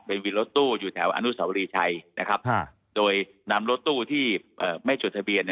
เป็นวินรถตู้อยู่แถวอนุสาวรีชัยโดยนำรถตู้ที่ไม่จดทะเบียน